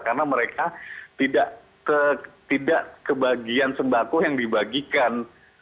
karena mereka tidak kebagian sembako yang dibagikan